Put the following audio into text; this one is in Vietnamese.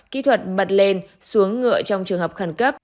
kỹ thuật bật lên xuống ngựa trong trường hợp khẩn cấp